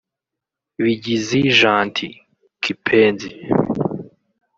Bigizi Gentil (Kipenzi)